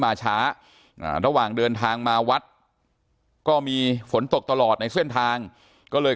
มาช้าระหว่างเดินทางมาวัดก็มีฝนตกตลอดในเส้นทางก็เลย